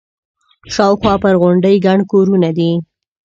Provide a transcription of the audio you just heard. شاوخوا پر غونډۍ ګڼ کورونه دي.